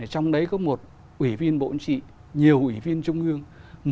trong đấy có một ủy viên bộ chính trị nhiều ủy viên trung ương